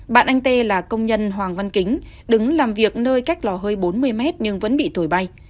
bạn anh tê là công nhân hoàng văn kính đứng làm việc nơi cách lò hơi bốn mươi mét nhưng vẫn bị thổi bay